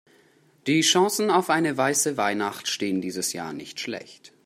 Die Chancen auf eine weiße Weihnacht stehen dieses Jahr nicht schlecht.